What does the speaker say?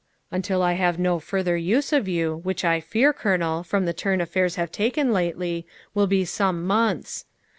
' Until I have no further use for you, which I fear, Colonel, from the turn aflairs have taken lately, will be some months.